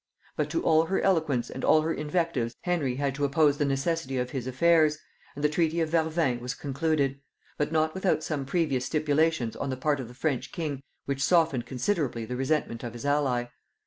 But to all her eloquence and all her invectives Henry had to oppose the necessity of his affairs, and the treaty of Vervins was concluded; but not without some previous stipulations on the part of the French king which softened considerably the resentment of his ally.